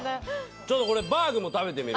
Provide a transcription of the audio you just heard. ちょっとバーグも食べてみる？